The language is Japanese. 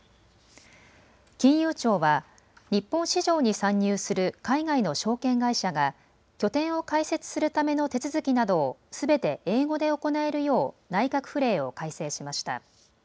金融庁は日本市場に参入する海外の証券会社が拠点を開設するための手続きなどをすべて英語で行えるよう内閣府令を改正しました。